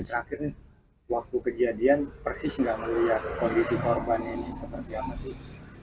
terakhir nih waktu kejadian persis nggak melihat kondisi korban ini seperti apa sih